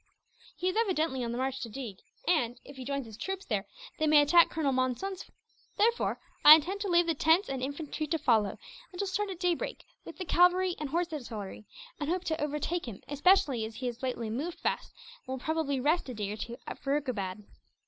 He is evidently on the march to Deeg and, if he joins his troops there, they may attack Colonel Monson's force. Therefore I intend to leave the tents and infantry to follow; and shall start at daybreak, with the cavalry and horse artillery; and hope to overtake him, especially as he has lately moved fast, and will probably rest a day or two at Furukabad."